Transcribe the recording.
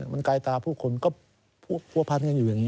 มันกายตาผู้คนก็ผัวพันกันอยู่อย่างนี้